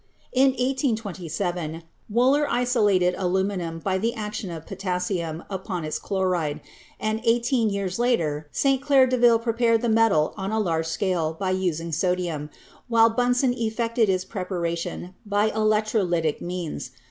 In 1827, Wohler isolated aluminium by the action of potassium upon its chloride, and eighteen years later St. Claire Deville prepared the metal on a large scale by using sodium, while Bunsen effected its preparation by electrolytic means.